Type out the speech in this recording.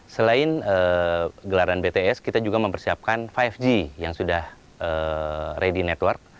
selain gelaran bts kita juga mempersiapkan lima g yang sudah ready network